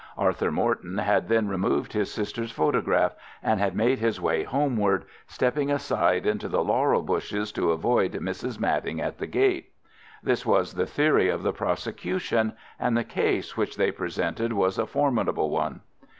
Arthur Morton had then removed his sister's photograph, and had made his way homeward, stepping aside into the laurel bushes to avoid Mrs. Madding at the gate. This was the theory of the prosecution, and the case which they presented was a formidable one.